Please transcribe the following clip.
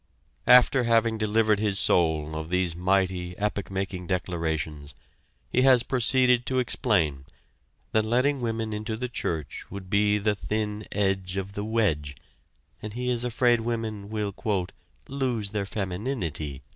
After having delivered his soul of these mighty, epoch making declarations, he has proceeded to explain that letting women into the church would be the thin edge of the wedge, and he is afraid women will "lose their femininity."